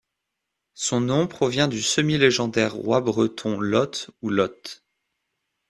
Son nom provient du semi-légendaire roi breton Loth ou Lot.